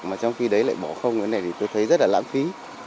mà trong khi đấy lại bỏ không cái này thì tôi thấy rất là lãng phí